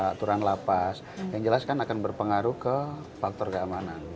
aturan lapas yang jelas kan akan berpengaruh ke faktor keamanan